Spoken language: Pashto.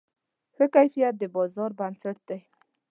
ښه کیفیت د بازار بنسټ دی.